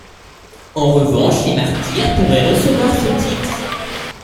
En revanche les martyrs pourraient recevoir ce titre.